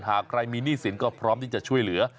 หากใครมีหนี้สินก็พร้อมที่จะช่วยเหลือ